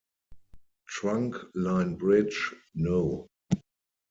Trunk Line Bridge No.